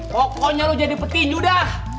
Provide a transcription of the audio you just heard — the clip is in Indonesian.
pokoknya lo jadi petinju dah